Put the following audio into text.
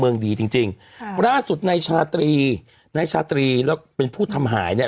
เมืองดีจริงจริงค่ะล่าสุดในชาตรีนายชาตรีแล้วเป็นผู้ทำหายเนี่ย